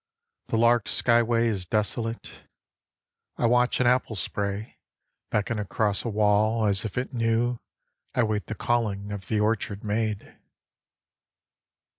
The lark's sky way Is desolate. I watch an apple spray Beckon across a wall as if it knew I wait the calling of the orchard maid.